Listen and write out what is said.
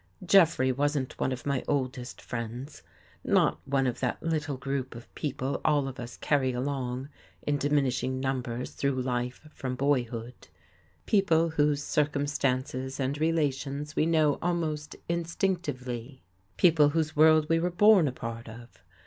Jeffrey wasn't one of my oldest friends — not one of that little group of people all of us carry along in diminishing numbers through life from boyhood — people whose circumstances and relations we know almost instinctively; people whose world we were born a part of.